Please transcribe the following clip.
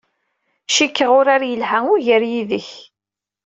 Cikkeɣ urar yelha ugar yid-k.